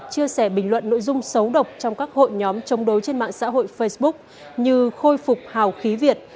chia sẻ bình luận nội dung xấu độc trong các hội nhóm chống đối trên mạng xã hội facebook như khôi phục hào khí việt